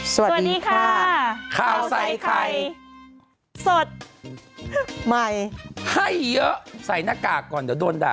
สวัสดีค่ะข้าวใส่ไข่สดใหม่ให้เยอะใส่หน้ากากก่อนเดี๋ยวโดนด่า